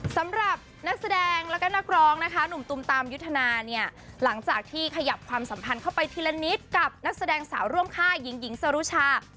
สำหรับนักแสดงแล้วก็นักร้องนะคะหนุ่มตุมตามยุทธนาเนี่ยหลังจากที่ขยับความสัมพันธ์เข้าไปทีละนิดกับนักแสดงสาวร่วมค่าหญิงหญิงสรุชา